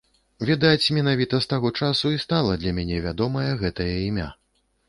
Відаць, менавіта з таго часу і стала для мяне вядомае гэтае імя.